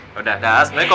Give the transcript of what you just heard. yaudah dah assalamualaikum